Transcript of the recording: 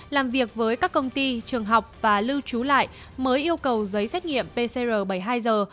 làm việc với các công ty trường học và lưu trú lại mới yêu cầu giấy xét nghiệm pcr bảy mươi hai giờ